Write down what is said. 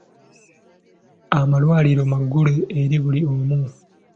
Amalwaliro maggule eri buli omu.